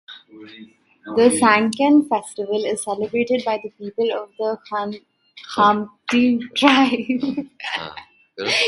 The Sangken festival is celebrated by the people of the Khampti tribe.